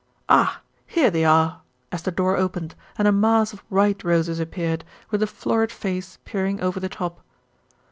"Ah! here they are," as the door opened and a mass of white roses appeared, with a florid face peering over the top.